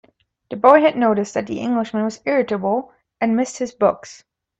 The boy had noticed that the Englishman was irritable, and missed his books.